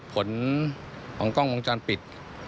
ผลของกล้องวงจรปิด